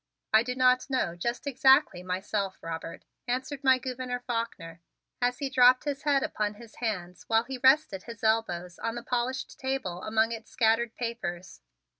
"I do not know just exactly myself, Robert," answered my Gouverneur Faulkner as he dropped his head upon his hands while he rested his elbows on the polished table among its scattered papers.